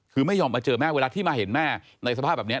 คือไม่ยอมมาเจอแม่เวลาที่มาเห็นแม่ในสภาพแบบนี้